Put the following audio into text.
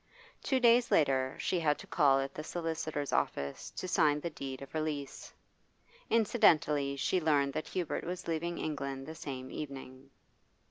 Two days later she had to call at the solicitor's office to sign the deed of release. Incidentally she learnt that Hubert was leaving England the same evening.